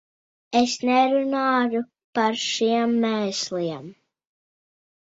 Es nerunāju par šiem mēsliem.